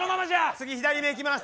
次左目いきます。